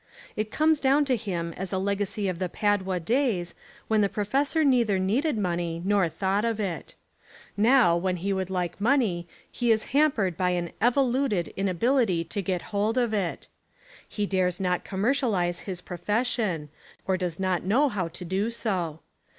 It comes down to him as a legacy of the Padua days when the professor neither needed money nor thought of it. Now when he would like money he is hampered by an "evoluted" inabil ity to get hold of it. He dares not commercial ise his profession, or does not know how to do so.